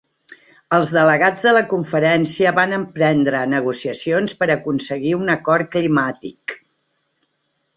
Els delegats de la conferència van emprendre negociacions per aconseguir un acord climàtic.